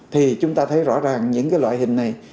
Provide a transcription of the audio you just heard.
thì chúng ta thấy rõ ràng những cái loại hình này